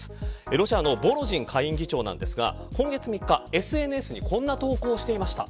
ロシアのボロジン下院議長ですが今月３日ＳＮＳにこんな投稿をしていました。